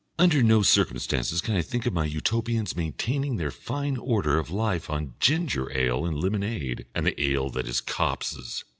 Under no circumstances can I think of my Utopians maintaining their fine order of life on ginger ale and lemonade and the ale that is Kops'.